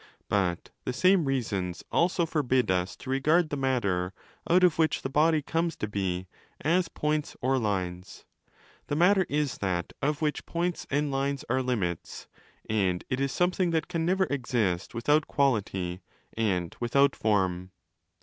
But the same reasons also forbid us to regard the matter, out of which the body comes to be, as points or lines. The matter is that of which points and lines are limits, and it is something that can never exist without quality and without form.